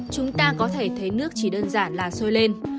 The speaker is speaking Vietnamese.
chúng ta có thể thấy nước chỉ đơn giản là sôi lên